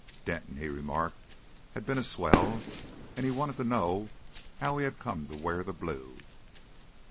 Denton, he remarked, had been a swell, and he wanted to know how he had come to wear the blue.